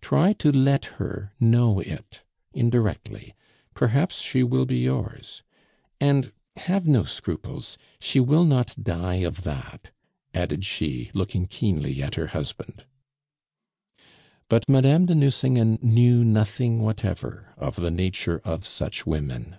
Try to let her know it, indirectly; perhaps she will be yours! And have no scruples, she will not die of that," added she, looking keenly at her husband. But Madame de Nucingen knew nothing whatever of the nature of such women.